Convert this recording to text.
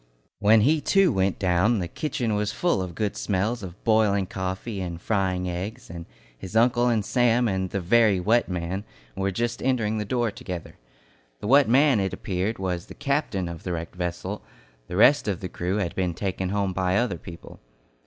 When he too went down, the kitchen was full of good smells of boiling coffee and frying eggs, and his uncle and Sam and the "very wet man" were just entering the door together. The wet man, it appeared, was the captain of the wrecked vessel; the rest of the crew had been taken home by other people.